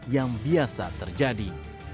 yang biasa terjadi